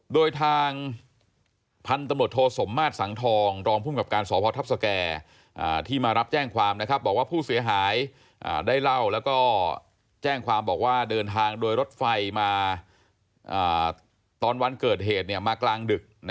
โดยทางพันธุ์ตำรวจโททศสมมาชศังทอง